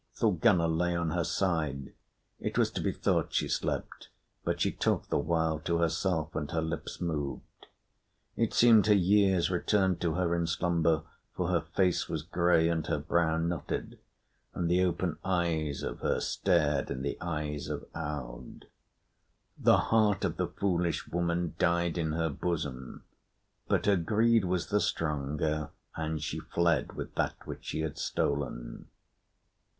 Thorgunna lay on her side; it was to be thought she slept, but she talked the while to herself, and her lips moved. It seemed her years returned to her in slumber, for her face was grey and her brow knotted; and the open eyes of her stared in the eyes of Aud. The heart of the foolish woman died in her bosom; but her greed was the stronger, and she fled with that which she had stolen.